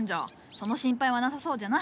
その心配はなさそうじゃな。